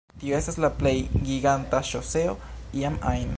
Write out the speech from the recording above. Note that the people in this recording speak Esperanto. Tio estas la plej giganta ŝoseo iam ajn